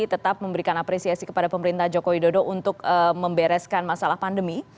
tetap memberikan apresiasi kepada pemerintah joko widodo untuk membereskan masalah pandemi